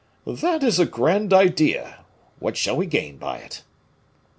"That is a grand idea. What shall we gain by it?"